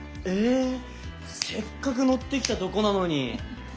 えせっかくノってきたとこなのに。